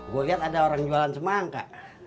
gue lihat ada orang jualan semangka